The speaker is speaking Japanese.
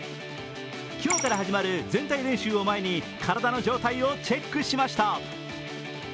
今日から始まる全体練習を前に体の状態をチェックしました。